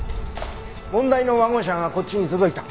問題のワゴン車がこっちに届いた。